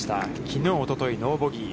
きのう、おとといノーボギー。